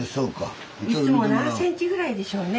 いつも何センチぐらいでしょうね？